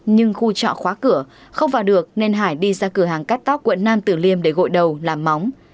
nhưng khu trọ khóa cửa không vào được nên hải đi ra cửa hàng cắt tóc quận nam tử liêm để gội đầu làm móng